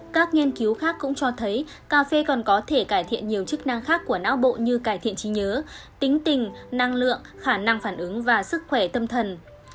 các nghiên cứu khác cũng cho thấy cà phê còn có thể cải thiện nhiều chức năng khác của não bộ như cải thiện trí nhớ tính tình năng lượng khả năng phản ứng và sức khỏe tâm thần